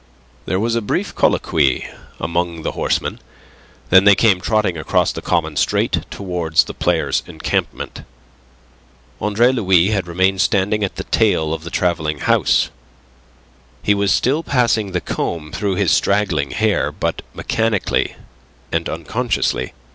There was a brief colloquy among the horsemen, then they came trotting across the common straight towards the players' encampment. Andre Louis had remained standing at the tail of the travelling house. He was still passing the comb through his straggling hair, but mechanically and unconsciously.